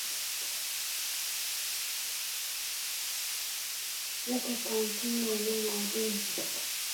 Weka karantini wanyama wageni